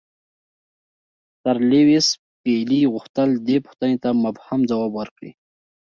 سر لیویس پیلي غوښتل دې پوښتنې ته مبهم ځواب ورکړي.